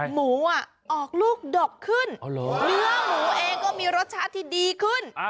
หมูออกลูกดกขึ้นเนื้อหมูเองก็มีรสชาติที่ดีขึ้น